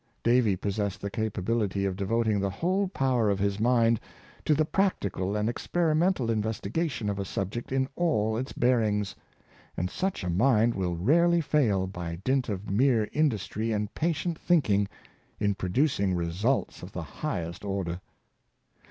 Davy possessed the capa bility of devoting the whole power of his mind to the practical and experimental investigation of a subject in all its bearings ; and such a mind will rarely fail, by dint of mere industry and patient thinking, introducing re sults of the highest order.